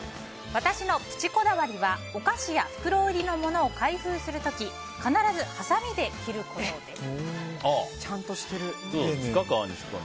私のプチこだわりはお菓子や袋売りのものを開封する時必ずはさみで切ることです。